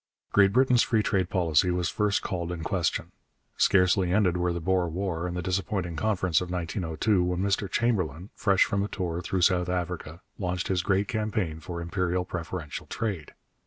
Great Britain's free trade policy was first called in question. Scarcely ended were the Boer War and the disappointing Conference of 1902 when Mr Chamberlain, fresh from a tour through South Africa, launched his great campaign for imperial preferential trade.